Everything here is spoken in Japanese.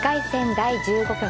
第１５局。